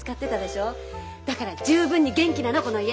だから十分に元気なのこの家。